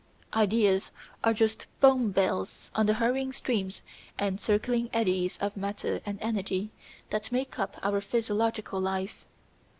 Ideas are just foam bells on the hurrying streams and circling eddies of matter and energy that make up our physiological life.